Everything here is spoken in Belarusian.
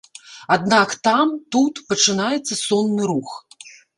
Аднак там, тут пачынаецца сонны рух.